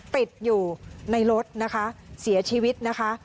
ติดอยู่ในรถนะคะเสียชีวิตนะคะ